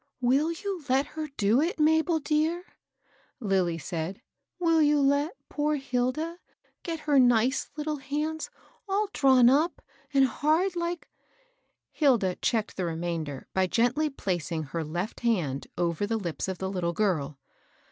*' Will you let her do it, Mabel, dear ?" Lilly said. " Will you let poor Hilda get her nice little hands all drawn up and hard like "— Hilda checked the remainder by gently placing her left hand over the lips of the Kttle girl.